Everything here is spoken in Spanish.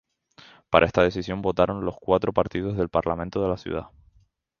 Para esta decisión votaron los cuatro partidos del parlamento de la ciudad.